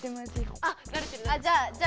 あっじゃあじゃあ。